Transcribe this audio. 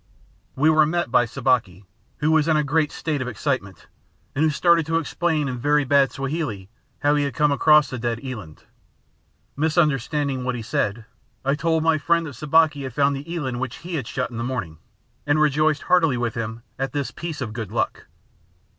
We were met by Sabaki, who was in a great state of excitement, and who started to explain in very bad Swahili how he had come across the dead eland. Misunderstanding what he said, I told my friend that Sabaki had found the eland which he had shot in the morning, and rejoiced heartily with him at this piece of good luck.